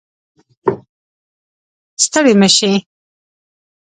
ستړې مه شې